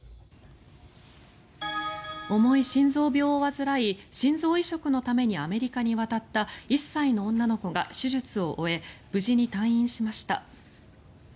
重い心臓病を患い心臓移植のためにアメリカに渡った１歳の女の子が手術を終え無事に退院しました。